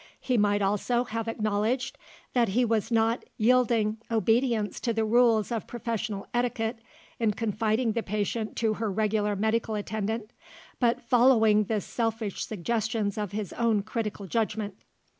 He might also have acknowledged, that he was not yielding obedience to the rules of professional etiquette, in confiding the patient to her regular medical attendant, but following the selfish suggestions of his own critical judgment.